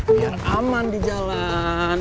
biar aman di jalan